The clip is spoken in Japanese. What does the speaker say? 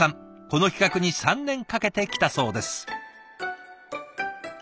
この企画に３年かけてきたそうです。